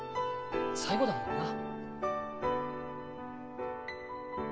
最後だもんな。